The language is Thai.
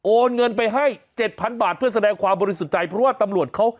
เงินไปให้เจ็ดพันบาทเพื่อแสดงความบริสุทธิ์ใจเพราะว่าตำรวจเขา